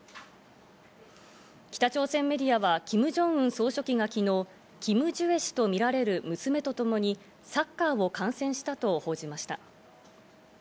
北朝鮮メディアはキム・ジョンウン総書記が昨日、キム・ジュエ氏とみられる娘とともに、サッカーを観戦したと報じました。